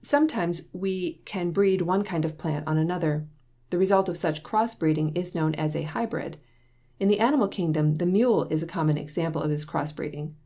Sometimes we can breed one kind of plant on another. The result of such cross breeding is known as a hybrid. In the animal kingdom the mule is a common example of this cross breeding.